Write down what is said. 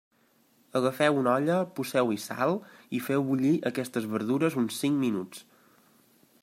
Agafeu una olla, poseu-hi sal i feu bullir aquestes verdures uns cinc minuts.